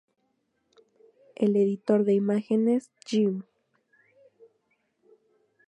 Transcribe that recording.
El editor de imágenes Gimp.